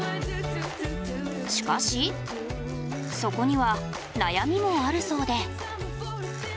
しかしそこには悩みもあるそうで。